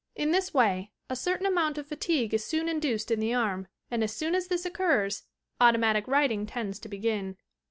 In this way a certain amount of fatigue is soon in duced in the arm, and, as soon as this occurs, automatic writing tends to begin.